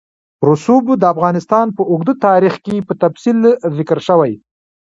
رسوب د افغانستان په اوږده تاریخ کې په تفصیل ذکر شوی.